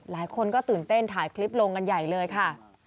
หลายคนก็ตื่นเต้นถ่ายคลิปลงกันใหญ่เลยค่ะ